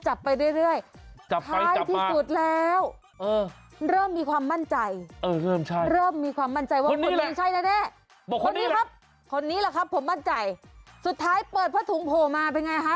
จับไปจับมาเออเริ่มมีความมั่นใจเริ่มมีความมั่นใจว่าคนนี้ใช่แน่คนนี้ครับคนนี้แหละครับผมมั่นใจสุดท้ายเปิดผ้าถุงโผล่มาเป็นยังไงฮะ